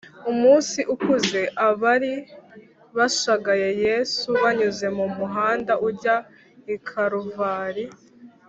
umunsi ukuze, abari bashagaye yesu banyuze mu muhanda ujya i karuvali